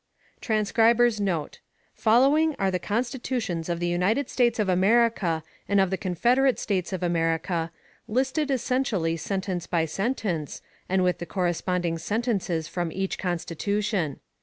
[Transcriber's Note: Following are the constitutions of the United States of America, and of the Confederate States of America, listed essentially sentence by sentence, with the corresponding sentences from each constitution.